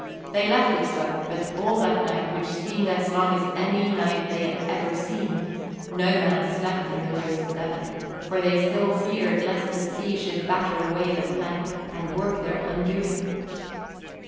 They left it so; but all that night, which seemed as long as any night they had ever seen, no man slept in the Rose of Devon, for they still feared lest the sea should batter away the plank and work their undoing.